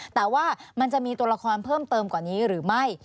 แต่ว่ามันจะมีตัวละครเพิ่มเติมกว่านี้หรือไม่